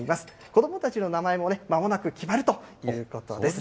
子どもたちの名前もね、まもなく決まるということです。